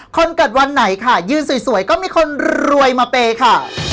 คนเกิดวันไหนค่ะยืนสวยก็มีคนรวยมาเปย์ค่ะ